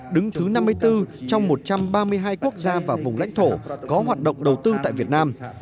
đứng thứ năm mươi bốn trong một trăm ba mươi hai quốc gia và vùng lãnh thổ có hoạt động đầu tư tại việt nam